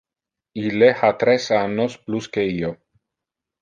Ille ha tres annos plus que io.